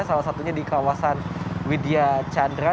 salah satunya di kawasan widya chandra